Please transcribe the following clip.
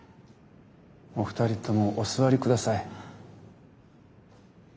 お二人ともお座り下さい。